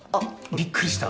びっくりした？